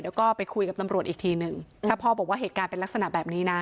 เดี๋ยวก็ไปคุยกับตำรวจอีกทีหนึ่งถ้าพ่อบอกว่าเหตุการณ์เป็นลักษณะแบบนี้นะ